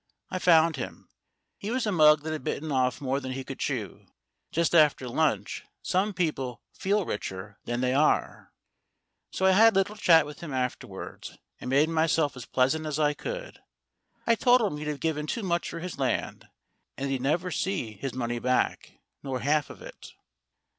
I found him. He was a mug that had bitten off more than he could chew. , Just after lunch some people feel richer than they are. So I had a little chat with him afterwards, and made myself as pleasant as I could. I told him he'd given too much for his land, and that he'd never see his money back, nor half of it.